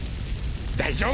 大丈夫！